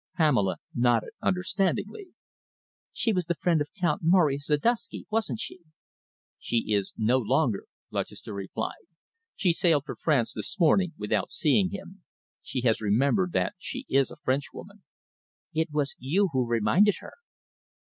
Pamela nodded understandingly. "She was the friend of Count Maurice Ziduski, wasn't she?" "She is no longer," Lutchester replied. "She sailed for France this morning without seeing him. She has remembered that she is a Frenchwoman." "It was you who reminded her!"